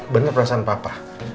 bener perasaan papa